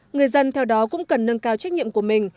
người dân theo đó cũng cần nâng cao trách nhiệm của mình